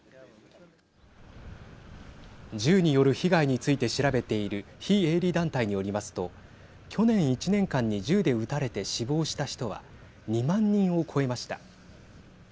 銃による被害について調べている非営利団体によりますと去年１年間に銃で撃たれて死亡した人は２万人を超えました。